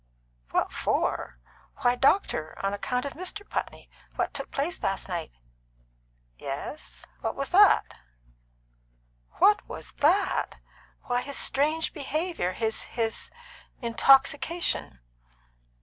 "What for? Why, doctor, on account of Mr. Putney what took place last night." "Yes? What was that?" "What was that? Why, his strange behaviour his his intoxication."